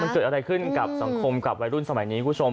มันเกิดอะไรขึ้นกับสังคมกับวัยรุ่นสมัยนี้คุณผู้ชม